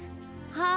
はあ！